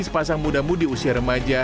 sepasang muda mudi usia remaja